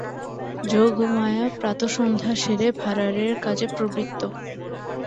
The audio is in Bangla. যোগমায়া প্রাতঃসন্ধ্যা সেরে ভাঁড়ারের কাজে প্রবৃত্ত।